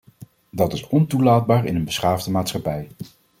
Dat is ontoelaatbaar in een beschaafde maatschappij.